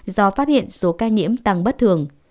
do phát hiện số ca nhiễm tăng bất thường